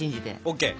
ＯＫ。